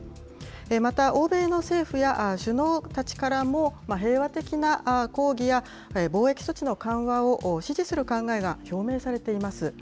また、欧米の政府や首脳たちからも、平和的な抗議や、防疫措置の緩和を支持する考えが表明されています。